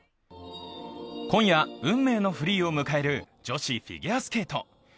今夜、運命のフリーを迎える女子フィギュアスケート。